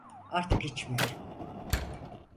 Artık içmiyorum.